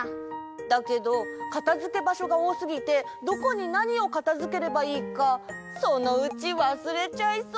だけどかたづけばしょがおおすぎてどこになにをかたづければいいかそのうちわすれちゃいそう。